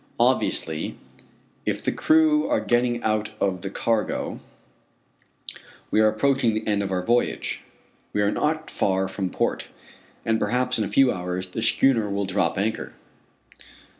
Obviously, if the crew are getting out the cargo, we are approaching the end of our voyage. We are not far from port, and perhaps in a few hours, the schooner will drop anchor.